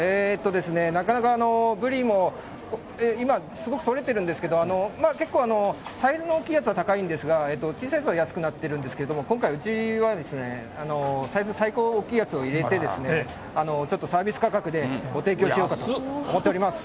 なかなか、ブリも今、すごく取れてるんですけれども、結構、サイズの大きいやつは高いんですが、小さいやつは安くなってるんですけど、今回、うちはサイズ、最高大きいやつを入れて、ちょっとサービス価格でご提供しようかと思っております。